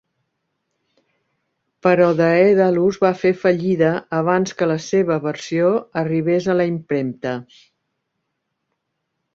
Però Daedalus va fer fallida abans que la seva versió arribés a la impremta.